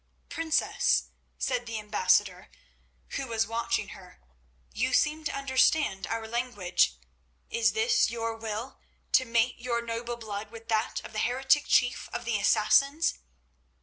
"Princess," said the ambassador, who was watching her, "you seem to understand our language; is this your will, to mate your noble blood with that of the heretic chief of the Assassins